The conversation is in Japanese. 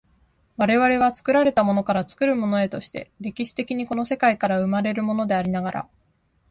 我々は作られたものから作るものへとして、歴史的にこの世界から生まれるものでありながら、